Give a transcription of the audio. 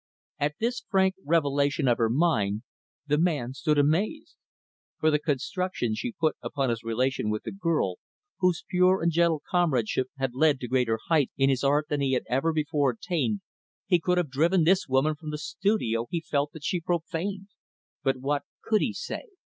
At this frank revelation of her mind, the man stood amazed. For the construction she put upon his relation with the girl whose pure and gentle comradeship had led him to greater heights in his art than he had ever before attained, he could have driven this woman from the studio he felt that she profaned. But what could he say?